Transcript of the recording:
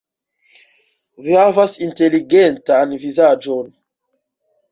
Vi havas inteligentan vizaĝon.